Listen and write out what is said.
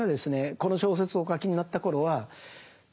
この小説をお書きになった頃はほう。